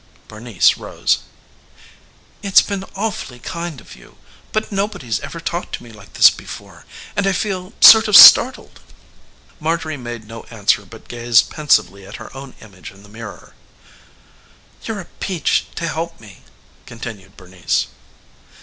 Bernice rose. "It's been awfully kind of you but nobody's ever talked to me like this before, and I feel sort of startled." Marjorie made no answer but gazed pensively at her own image in the mirror. "You're a peach to help me," continued Bernice.